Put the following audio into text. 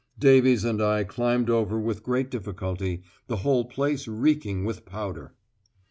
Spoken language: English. Davies and I climbed over with great difficulty, the whole place reeking with powder.